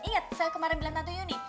saya kemaren bilang tante yuni